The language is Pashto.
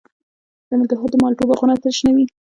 د ننګرهار د مالټو باغونه تل شنه وي.